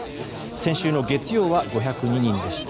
先週の月曜は５０２人でした。